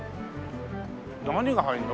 何が入るの？